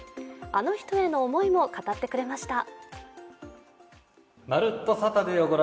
あの人への思いも語ってくれました。